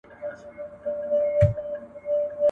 • چي نې غواړم مې راوينې.